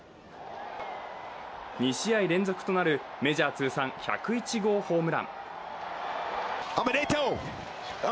２試合連続となるメジャー通算１０１号ホームラン。